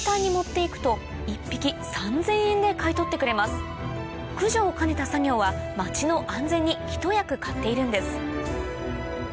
実は奄美では駆除を兼ねた作業は町の安全にひと役買っているんです